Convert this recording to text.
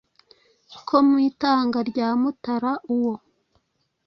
Ko mu itanga rya Mutara uwo